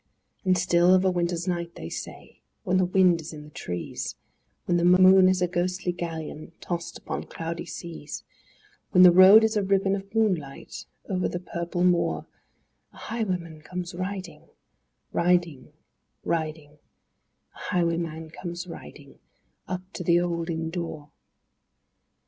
X And still of a winter's night, they say, when the wind is in the trees, When the moon is a ghostly galleon tossed upon cloudy seas, When the road is a ribbon of moonlight over the purple moor, A highwayman comes riding— Riding—riding— A highwayman comes riding, up to the old inn door.